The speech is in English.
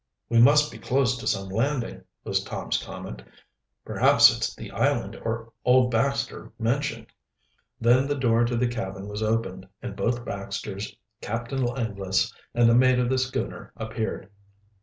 "We must be close to some landing," was Tom's comment. "Perhaps it's the island old Baxter mentioned." Another half hour slipped by. Then the door to the cabin was opened, and both Baxters, Captain Langless, and the mate of the schooner appeared.